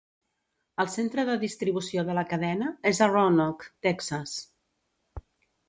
El centre de distribució de la cadena és a Roanoke, Texas.